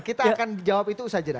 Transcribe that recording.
kita akan jawab itu usaha jeda